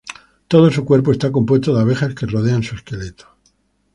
Todo su cuerpo está compuesto de abejas que rodean su esqueleto.